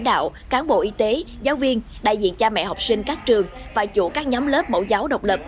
đạo cán bộ y tế giáo viên đại diện cha mẹ học sinh các trường và chủ các nhóm lớp mẫu giáo độc lập